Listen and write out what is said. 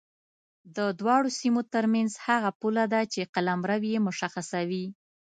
د دواړو سیمو ترمنځ هغه پوله ده چې قلمرو یې مشخصوي.